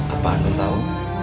apa anu tahu